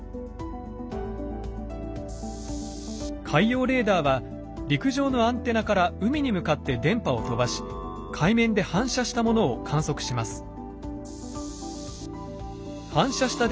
海洋レーダーは陸上のアンテナから海に向かって電波を飛ばし海面で反射したものを観測します。